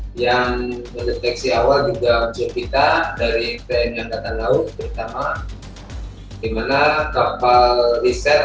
jadi yang mendeteksi awal juga kita dari pengangkatan laut pertama dimana kapal riset